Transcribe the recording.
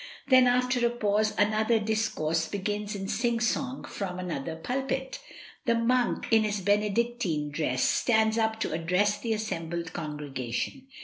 Then after a pause another discourse begins in sing song from another pulpit. A monk, in his Benedictine dress, stands up to address the assembled congregation.